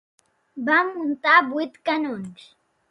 Va muntar vuit canons.